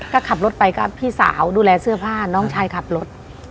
ก็ขับรถไปก็พี่สาวดูแลเสื้อผ้าน้องชายขับรถ